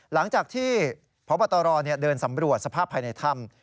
หลังจากที่พบตรเดินสำรวจสภาพภายในถ้ำ